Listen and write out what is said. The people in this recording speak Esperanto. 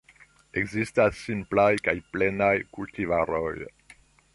Ekzistas simplaj kaj plenaj kultivaroj.